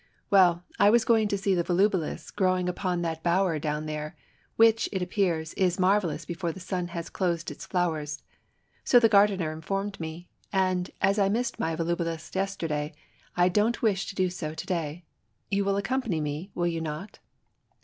"Well, I was going to see the volubilis growing upon that bower down there, which, it appears, is marvellous before the sun has closed its flowers. So the gar dener informed me; and, as I missed my volubilis yes terday, I don't wish to do so to day. You will accom pany me, will you not?"